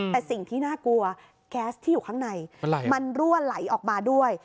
แต่สิ่งที่น่ากลัวแก๊สที่อยู่ข้างในมันรั่วไหลออกมาด้วย